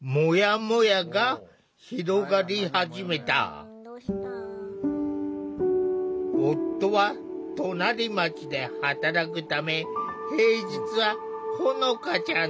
夫は隣町で働くため平日はほのかちゃんと２人っきり。